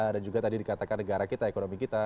dan juga tadi dikatakan negara kita ekonomi kita